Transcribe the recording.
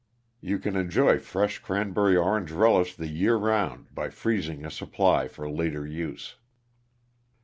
_You can enjoy fresh Cranberry Orange Relish the year round by freezing a supply for later use.